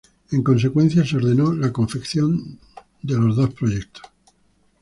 En consecuencia se ordenó la confección los dos proyectos.